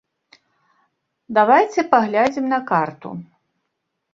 Давайце паглядзім на карту.